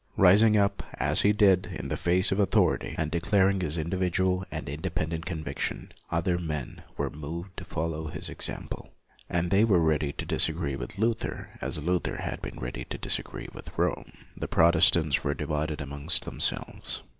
Rising up, as he did, in the face of author ity, and declaring his individual and in dependent conviction, other men were moved to follow his example. And they were as ready to disagree with Luther as Luther had been ready to disagree with 22 LUTHER Rome. The Protestants were divided amongst themselves.